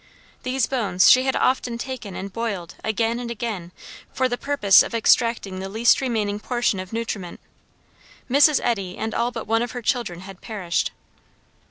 These bones she had often taken and boiled again and again for the purpose of extracting the least remaining portion of nutriment. Mrs. Eddy and all but one of her children had perished.